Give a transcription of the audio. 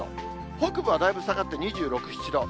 北部はだいぶ下がって２６、７度。